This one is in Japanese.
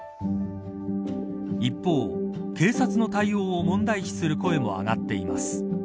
一方、警察の対応を問題視する声も上がっています。